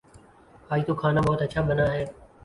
آج تو کھانا بہت اچھا بنا ہے